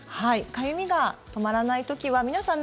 かゆみが止まらない時は皆さん